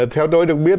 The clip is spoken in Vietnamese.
theo tôi được biết